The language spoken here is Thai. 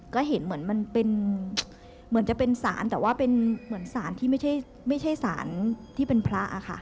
ก็เห็นเหมือนจะเป็นศาลแต่ว่าเป็นศาลที่ไม่ใช่ศาลที่เป็นพระค่ะ